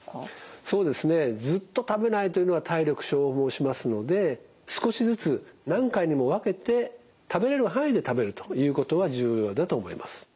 そうですねずっと食べないというのは体力消耗しますので少しずつ何回にも分けて食べれる範囲で食べるということは重要だと思います。